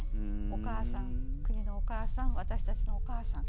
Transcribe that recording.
お母さん、国のお母さん私たちのお母さん。